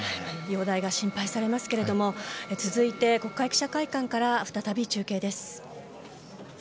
容体が心配されますが続いて、国会記者会館から再び中継です。